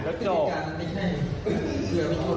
พี่เกียจพูดด้วยแล้วจะจัดทาง